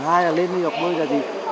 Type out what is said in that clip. hãy đăng ký kênh để ủng hộ kênh của mình nhé